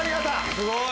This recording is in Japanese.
すごい！